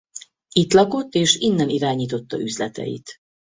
Itt lakott és innen irányította üzleteit.